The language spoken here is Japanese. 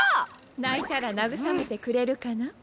泣いたら慰めてくれるかな？